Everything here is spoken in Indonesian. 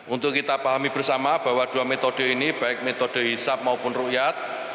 untuk kita pahami bersama bahwa dua metode ini baik metode hisap maupun rukyat